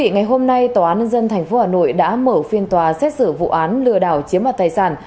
ngày hôm nay tòa án nhân dân tp hà nội đã mở phiên tòa xét xử vụ án lừa đảo chiếm mặt tài sản